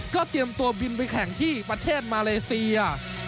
เตรียมตัวบินไปแข่งที่ประเทศมาเลเซีย